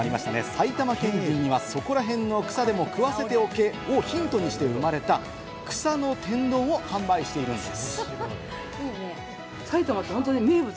「埼玉県人にはそこらへんの草でも食わせておけ！」をヒントにして生まれた、草の天丼を販売しているんです。